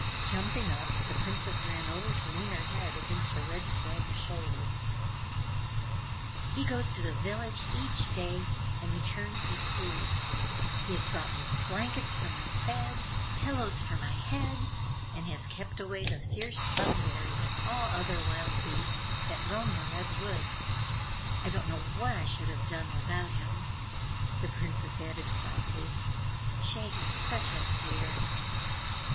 Jumping up, the Princess ran over to lean her head against the Red Stag's shoulder. "He goes to the village each day and returns with food. He has brought me blankets for my bed, pillows for my head, and has kept away the fierce Bug bears and all other wild beasts that roam the Red Wood. I don't know what I should have done without him!" The Princess added softly, "Shaggy's such a dear!"